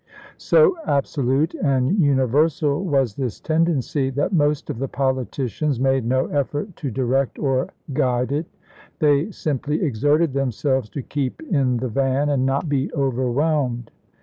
So ab solute and universal was this tendency that most of the politicians made no effort to direct or guide it ; they simply exerted themselves to keep in the van and not be overwhelmed.